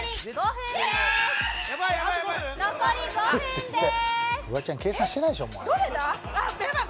残り５分です